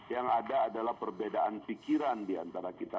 yang ada adalah perbedaan pikiran di antara kita